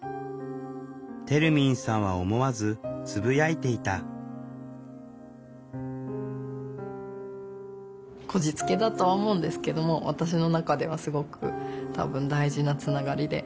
てるみんさんは思わずつぶやいていたこじつけだとは思うんですけども私の中ではすごく多分大事なつながりで。